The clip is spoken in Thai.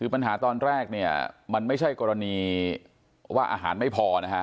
ปัญหาตอนแรกมันไม่ใช่กรณีว่าอาหารไม่พอ